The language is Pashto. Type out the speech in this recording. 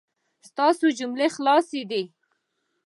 ستاسو جملې خلاصې دي